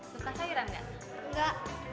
suka es krim enggak